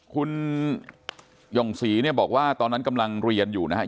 คุณหย่องศรีเนี่ยบอกว่าตอนนั้นกำลังเรียนอยู่นะครับ